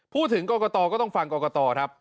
พูดถึงกรกตก็ต้องฟังกรกตครับ